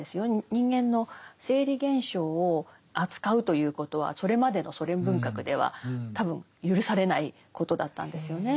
人間の生理現象を扱うということはそれまでのソ連文学では多分許されないことだったんですよね。